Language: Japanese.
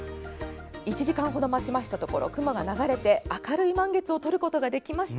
１時間程、待ちましたところ雲が流れて明るい満月を撮ることができました。